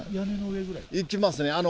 いきますね。